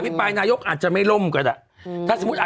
อภิปรายนายกอาจจะไม่ล่มเจอะ